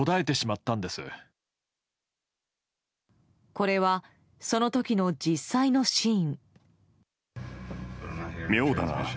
これは、その時の実際のシーン。